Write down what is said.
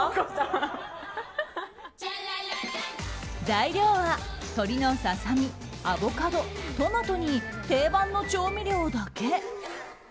材料は鶏のささ身、アボカド、トマトに定番の調味料だけ。